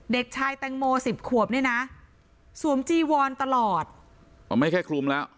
เด็กชายแตงโมสิบขวบเนี่ยนะสวมจีวอนตลอดอ๋อไม่ใช่คลุมแล้ว